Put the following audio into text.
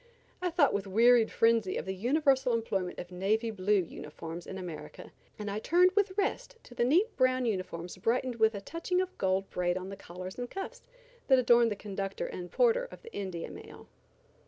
I thought with wearied frenzy of the universal employment of navy blue uniforms in America, and I turned with rest to the neat brown uniforms brightened with a touching of gold braid on the collars and cuffs, that adorned the conductor and porter of the India mail.